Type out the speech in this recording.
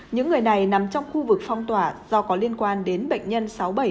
những người này nằm trong khu vực phong tỏa do có liên quan đến bệnh nhân sáu nghìn bảy trăm tám mươi tám